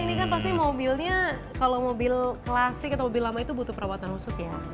ini kan pasti mobilnya kalau mobil klasik atau mobil lama itu butuh perawatan khusus ya